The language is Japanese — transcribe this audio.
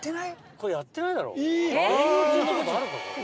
これやってないだろ。